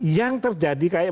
yang terjadi kayak